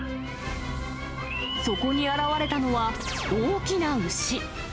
そこに現れたのは大きな牛。